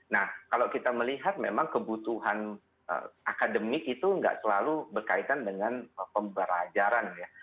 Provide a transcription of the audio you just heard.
nah kalau kita melihat memang kebutuhan akademik itu nggak selalu berkaitan dengan pembelajaran ya